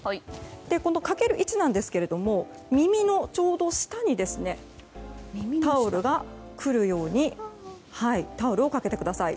この、かける位置ですが耳のちょうど下にタオルがくるようにタオルをかけてください。